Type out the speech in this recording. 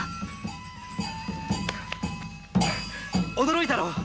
驚いたろう。